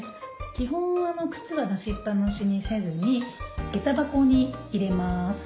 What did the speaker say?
基本は靴は出しっぱなしにせずにげた箱に入れます。